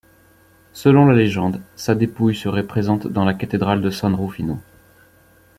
Selon la légende, sa dépouille serait présente dans la cathédrale San Rufino.